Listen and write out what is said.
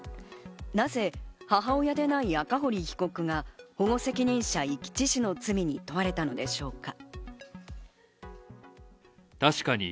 なぜ母親でない赤堀被告が保護責任者遺棄致死の罪に問われたのでしょうか。